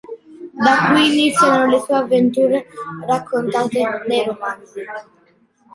Da qui iniziano le sue avventure raccontate nei romanzi.